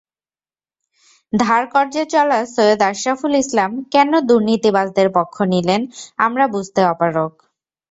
ধার-কর্জে চলা সৈয়দ আশরাফুল ইসলাম কেন দুর্নীতিবাজদের পক্ষ নিলেন, আমরা বুঝতে অপারগ।